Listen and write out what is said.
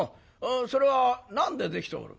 それは何でできておる？